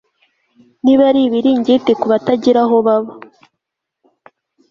niba ari ibiringiti kubatagira aho baba